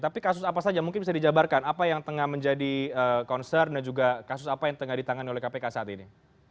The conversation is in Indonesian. tapi kasus apa saja mungkin bisa dijabarkan apa yang tengah menjadi concern dan juga kasus apa yang tengah ditangani oleh kpk saat ini